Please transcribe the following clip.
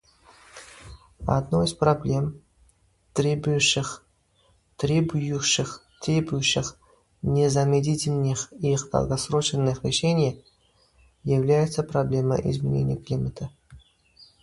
Одной из проблем, требующих незамедлительных и долгосрочных решений, является проблема изменения климата.